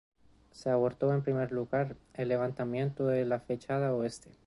Se abordó en primer lugar el levantamiento de la fachada Oeste.